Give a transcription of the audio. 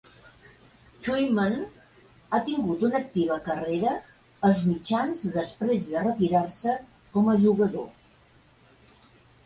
Twellman ha tingut una activa carrera als mitjans després de retirar-se com a jugador.